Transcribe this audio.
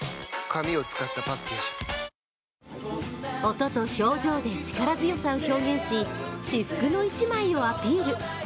音と表情で力強さを表現し、至福の一枚をアピール。